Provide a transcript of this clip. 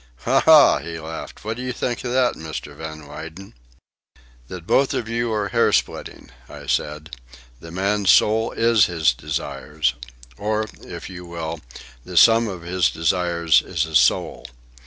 "Ha! ha!" he laughed. "What do you think of that, Mr. Van Weyden?" "That both of you are hair splitting," I said. "The man's soul is his desires. Or, if you will, the sum of his desires is his soul.